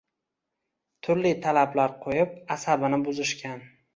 Turli talablar qo‘yib asabini buzishgan